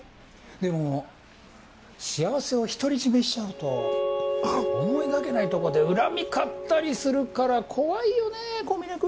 でも幸せを独り占めしちゃうと思いがけないとこで恨み買ったりするから怖いよねぇ小峯君！